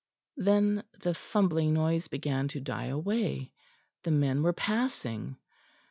Then the fumbling noise began to die away: the men were passing.